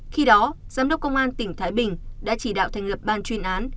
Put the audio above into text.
khi đó giám đốc công an tỉnh thái bình đã chỉ đạo thành lập ban chuyên án